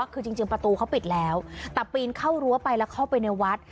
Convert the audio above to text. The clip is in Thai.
คือจริงประตูเขาปิดแล้วแต่ปีนเข้ารั้วไปแล้วเข้าไปในวัด